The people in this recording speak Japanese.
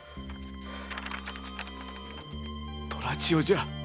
「虎千代」じゃ。